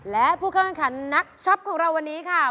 และนักชอบของเรานี้ค่ะ